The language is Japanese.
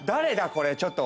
これちょっと。